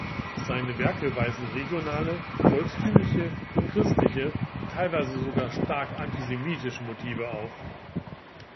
Seine Werke weisen regionale, volkstümliche und christliche, teilweise sogar stark antisemitische Motive auf.